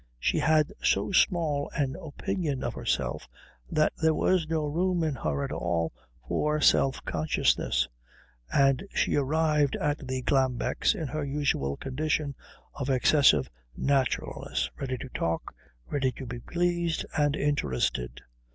She had so small an opinion of herself that there was no room in her at all for self consciousness; and she arrived at the Glambecks' in her usual condition of excessive naturalness, ready to talk, ready to be pleased and interested.